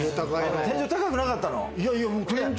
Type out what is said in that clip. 天井高くなかったの。